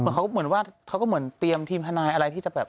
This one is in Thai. เขาก็เหมือนว่าเขาก็เหมือนเตรียมทีมทนายอะไรที่จะแบบ